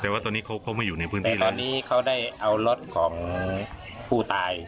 แต่ว่าตอนนี้เขาเขาไม่อยู่ในพื้นที่แล้วตอนนี้เขาได้เอารถของผู้ตาย